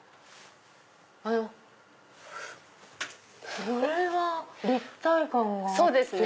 これは立体感があって。